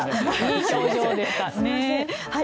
いい表情でした。